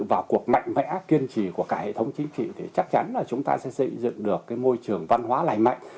vào cuộc mạnh mẽ kiên trì của cả hệ thống chính trị thì chắc chắn là chúng ta sẽ xây dựng được môi trường văn hóa lành mạnh